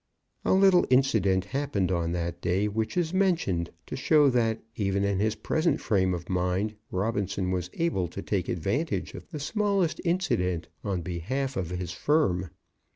A little incident happened on that day, which is mentioned to show that, even in his present frame of mind, Robinson was able to take advantage of the smallest incident on behalf of his firm.